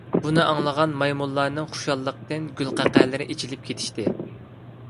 بۇنى ئاڭلىغان مايمۇنلارنىڭ خۇشاللىقتىن گۈلقەقەلىرى ئېچىلىپ كېتىشتى.